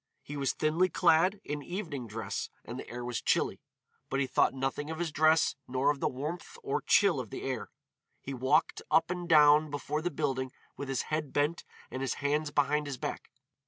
He was thinly clad, in evening dress, and the air was chilly, but he thought nothing of his dress nor of the warmth or chill of the air. He walked up and down before the building with his head bent and his hands behind his back.